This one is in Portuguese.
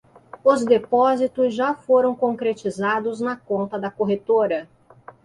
Os depósitos já foram concretizados na conta da corretora